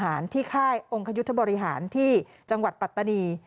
ที่ค่ายองคยุทธบริหารที่จังหวัดปัตตานี